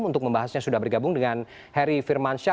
untuk membahasnya sudah bergabung dengan heri firmansyah